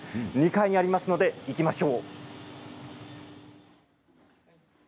２階にありますので行きましょう。